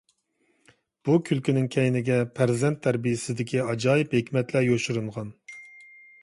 بۇ كۈلكىنىڭ كەينىگە پەرزەنت تەربىيەسىدىكى ئاجايىپ ھېكمەتلەر يوشۇرۇنغان.